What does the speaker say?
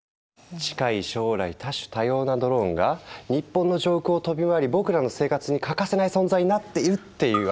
近い将来多種多様なドローンが日本の上空を飛び回り僕らの生活に欠かせない存在になっているっていう話。